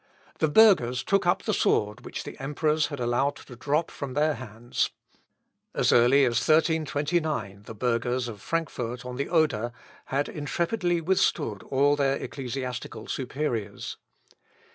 The burghers took up the sword which the emperors had allowed to drop from their hands. As early as 1329 the burghers of Frankfort on the Oder had intrepidly withstood all their ecclesiastical superiors.